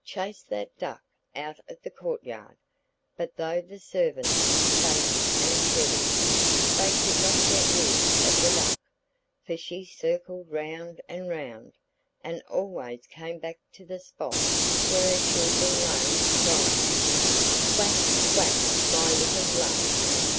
Chase that duck out of the courtyard.' But though the servants chased and chevied, they could not get rid of the duck; for she circled round and round, and always came back to the spot where her children lay, crying: 'Quack, quack my little loves!